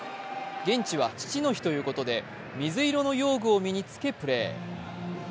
現地は父の日ということで、水色の用具を身に着けプレー。